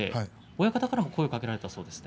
親方からも声をかけられたそうですね。